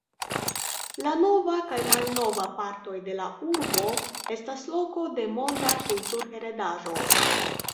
La nova kaj malnova partoj de la urbo estas loko de Monda kulturheredaĵo.